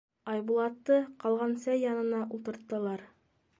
Айбулатты ҡалған сәй янына ултырттылар.